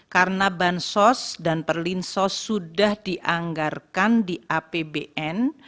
karena bansos dan perlinsos sudah dianggarkan di apbn